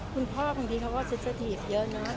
คุณพ่อคงที่เขาก็เฉินเฉินที่เยอะนะ